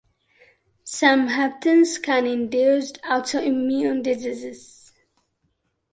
Some haptens can induce autoimmune disease.